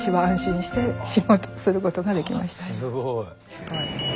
すごい。